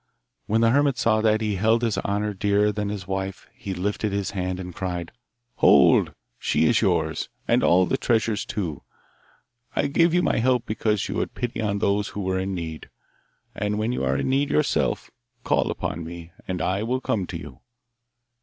When the hermit saw that he held his honour dearer than his wife he lifted his hand and cried, 'Hold! she is yours, and all the treasures too. I gave you my help because you had pity on those that were in need. And when you are in need yourself, call upon me, and I will come to you.